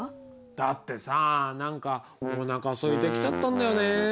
だってさ何かおなかすいてきちゃったんだよね。